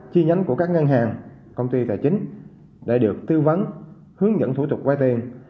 chi nhánh của các ngân hàng công ty tài chính để được tư vấn hướng dẫn thủ tục vay tiền